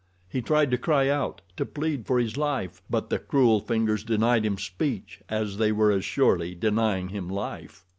He tried to cry out, to plead for his life; but the cruel fingers denied him speech, as they were as surely denying him life.